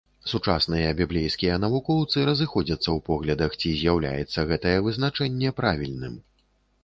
Сучасныя біблейскія навукоўцы разыходзяцца ў поглядах, ці з'яўляецца гэтае вызначэнне правільным.